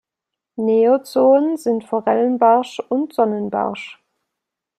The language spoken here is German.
Neozoen sind Forellenbarsch und Sonnenbarsch.